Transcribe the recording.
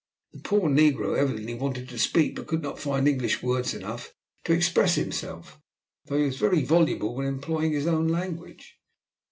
The poor negro evidently wanted to speak, but could not find English words enough to express himself, though he was very voluble when employing his own language.